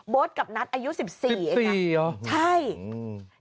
โบ๊ทกับนัทอายุ๑๔ใช่ไหมคะใช่๑๔หรอ